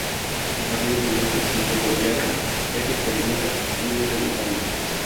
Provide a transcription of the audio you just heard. El Partido Comunista si fue golpeado, ya que perdió un millón de votantes.